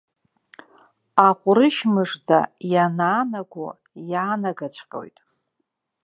Аҟәрышь мыжда, ианаанаго иаанагаҵәҟьоит.